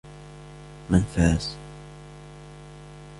من فاز؟